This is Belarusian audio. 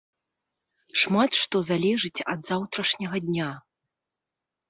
Шмат што залежыць ад заўтрашняга дня.